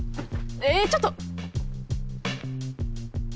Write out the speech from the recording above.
えちょっと！